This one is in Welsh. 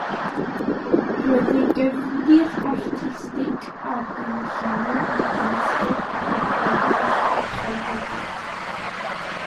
Roedd ei gefndir artistig a diwylliannol yn gymysgedd o gerddoriaeth a chelfyddyd.